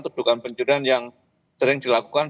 atau tukang pencurian yang sering dilakukan